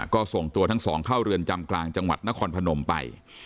ก็ส่งตัวทั้งสองเข้าเรือนจำกลางจังหวัดนครพนมไป